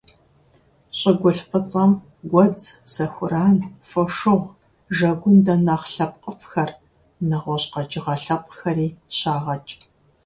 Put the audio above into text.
ЩӀыгулъ фӀыцӀэм гуэдз, сэхуран, фошыгъу жэгундэ нэхъ лъэпкъыфӀхэр, нэгъуэщӀ къэкӀыгъэ лъэпкъхэри щагъэкӀ.